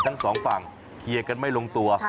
ทั้งสองฝั่งเคลียร์กันไม่ลงตัว